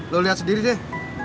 lo liat sendiri deh